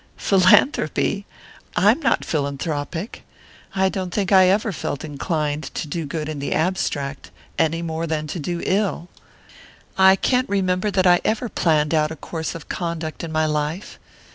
"Philanthropy? I'm not philanthropic. I don't think I ever felt inclined to do good in the abstract any more than to do ill! I can't remember that I ever planned out a course of conduct in my life.